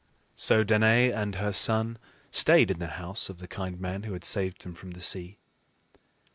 So Danaë and her son stayed in the house of the kind man who had saved them from the sea.